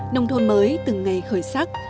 nông thôn mới từng ngày khởi sắc